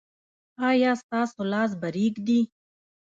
ایا ستاسو لاس به ریږدي؟